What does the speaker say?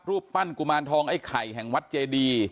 รูปปั้นกุมารทองไอ้ไข่แห่งวัดเจดี